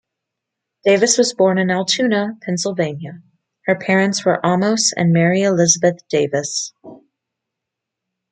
Davis was born in Altoona, Pennsylvania; her parents were Amos and Mary Elizabeth Davis.